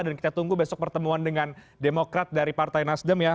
dan kita tunggu besok pertemuan dengan demokrat dari partai nasdem ya